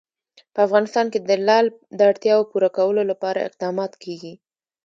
په افغانستان کې د لعل د اړتیاوو پوره کولو لپاره اقدامات کېږي.